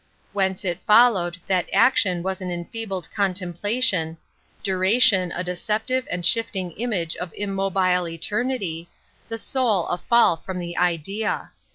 Whence it followed that action was an enfeebled contemplation, duration a deceptive and shifting image of immobile eternity, the 8oul a fall from the Idea.